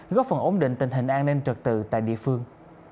góp phần ổn định tình hình an ninh trật tự tại địa phương